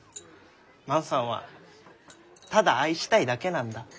万さんはただ愛したいだけなんだ。